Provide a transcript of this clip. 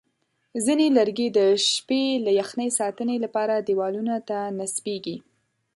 ځینې لرګي د شپې له یخنۍ ساتنې لپاره دیوالونو ته نصبېږي.